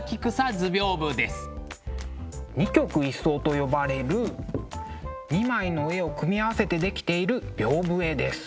二曲一双と呼ばれる２枚の絵を組み合わせてできている屏風絵です。